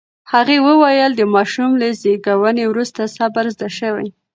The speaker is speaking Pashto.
هغې وویل، د ماشوم له زېږون وروسته صبر زده شوی.